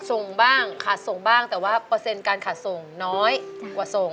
ส่งบ้างขาดส่งบ้างแต่ว่าเปอร์เซ็นต์การขาดส่งน้อยกว่าส่ง